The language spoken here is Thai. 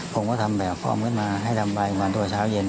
ผมก็ทำแบบคล่อมขึ้นมาให้ทำรายงานตัวเช้าเย็น